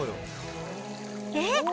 えっ？